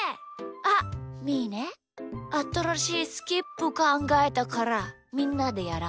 あっみーねあたらしいスキップかんがえたからみんなでやらない？